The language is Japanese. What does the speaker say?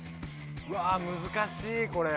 うわ難しいこれ。